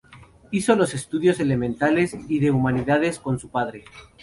Hizo los estudios elementales y de humanidades con su padre.